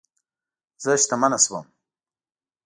زه شتمنه شوم